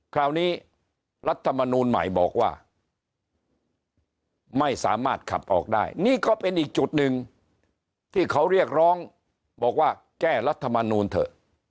คราวนี้รัฐมนูลใหม่บอกว่าไม่สามารถขับออกได้นี่ก็เป็นอีกจุดหนึ่งที่เขาเรียกร้องบอกว่าแก้รัฐมนูลเถอะ